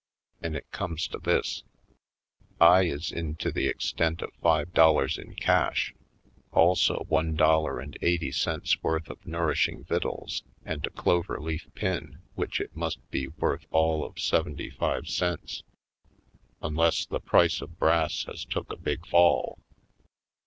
And it comes to this: I is in to the extent of five dollars in cash, also one dol lar and eighty cents' worth of nourishing vittles, and a clover leaf pin, which it must be worth all of seventy five cents unless the price of brass has took a big fall.